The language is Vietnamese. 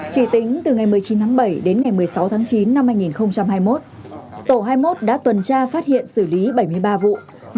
chỉ tính từ ngày một mươi chín tháng bảy đến ngày một mươi sáu tháng chín năm hai nghìn hai mươi một tổ hai mươi một đã tuần tra phát hiện xử lý bảy mươi ba vụ